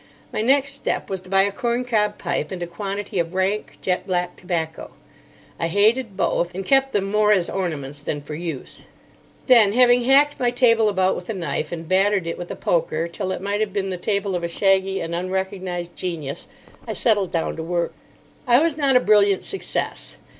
My next step was to buy a corncob pipe and a quantity of rank, jet black tobacco. I hated both, and kept them more as ornaments than for use. Then, having hacked my table about with a knife and battered it with a poker till it might have been the table of a shaggy and unrecognised genius, I settled down to work. I was not a brilliant success.